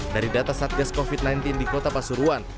dari data satgas covid sembilan belas di kota pasuruan